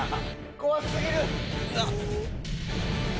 怖過ぎる！